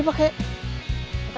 itu masih juga belum dipake